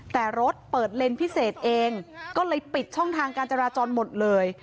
แต่รถเปิดเลนส์พิเศษเองก็เลยปิดช่องทางการจราจรหมดเลย